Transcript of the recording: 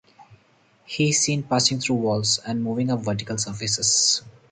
He is seen passing through walls and moving up vertical surfaces.